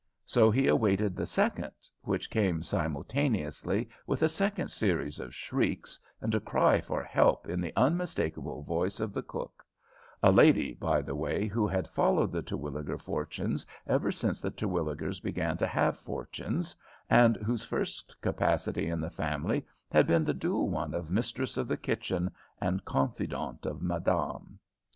So he awaited the second, which came simultaneously with a second series of shrieks and a cry for help in the unmistakable voice of the cook; a lady, by the way, who had followed the Terwilliger fortunes ever since the Terwilligers began to have fortunes, and whose first capacity in the family had been the dual one of mistress of the kitchen and confidante of madame.